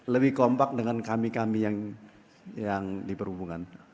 lebih kompak dengan kami kami yang diperhubungkan